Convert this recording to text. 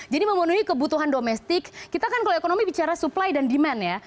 jadi memenuhi kebutuhan domestik kita kan kalau ekonomi bicara supply dan demand ya